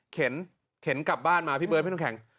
เข็นกลับบ้านมาพี่เบิร์ดพี่น้ำแข็ง